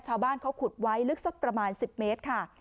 ชาวบ้านเขาขุดไว้ลึกสักประมาณ๑๐เมตรค่ะ